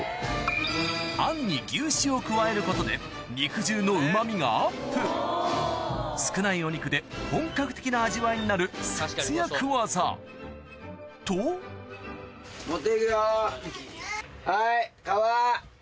餡に牛脂を加えることで肉汁のうま味がアップ少ないお肉で本格的な味わいになる節約技とはい。